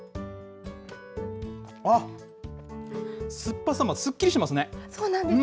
あっ、酸っぱさも、すっきりしますね。